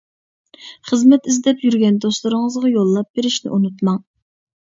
خىزمەت ئىزدەپ يۈرگەن دوستلىرىڭىزغا يوللاپ بېرىشنى ئۇنتۇماڭ.